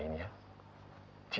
itu menurut saya